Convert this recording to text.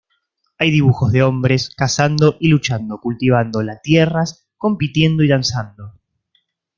Hay dibujos de hombres cazando y luchando, cultivando la tierras, compitiendo y danzando.